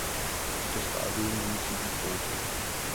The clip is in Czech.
Toto stadium nemusí být konečné.